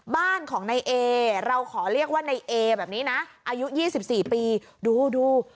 บ้านของนายเอเราขอเรียกว่าในเอแบบนี้นะอายุ๒๔ปีดูดู